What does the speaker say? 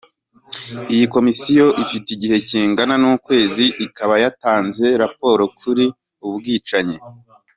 Iyi komisiyo ifite igihe kingana n’ukwezi ikaba yatanze raporo kuri ubu bwicanyi